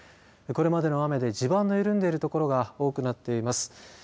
これまでの雨で地盤の緩んでいる所が多くなっています。